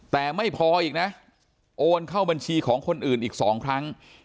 แต่ไม่พออีกนะโอนเข้าบัญชีของคนอื่นอีก๒ครั้ง